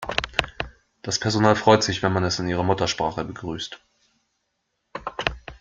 Das Personal freut sich, wenn man es in ihrer Muttersprache begrüßt.